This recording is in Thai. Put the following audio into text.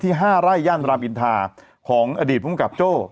ที่ห้าไร่ย่านราบอินทาของอดีตพบขับโจ้